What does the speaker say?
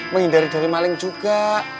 menghindari dari maling juga